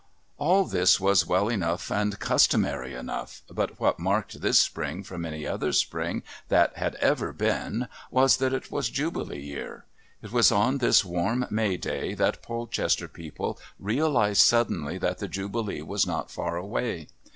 All this was well enough and customary enough, but what marked this spring from any other spring that had ever been was that it was Jubilee Year. It was on this warm May day that Polchester people realised suddenly that the Jubilee was not far away.